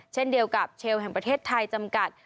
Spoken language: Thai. เช่นเดียวกับเชลล์แห่งประเทศไทยจำกัด